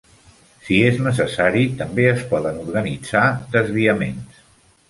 Si és necessari, també es poden organitzar desviaments.